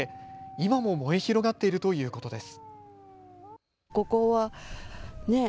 今も燃え広がっているということです。